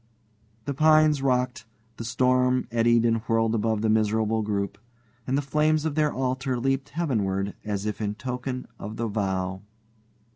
The pines rocked, the storm eddied and whirled above the miserable group, and the flames of their altar leaped heavenward as if in token of the vow.